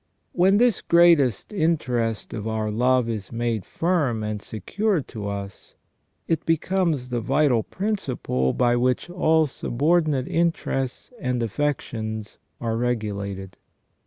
When this greatest interest of our love is made firm and secure to us, it becomes the vital prin ciple by which all subordinate interests and affections are regulated.